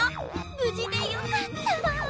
無事でよかった！